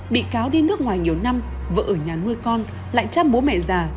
bị cáo đi nước ngoài nhiều năm vợ ở nhà nuôi con lại cha bố mẹ già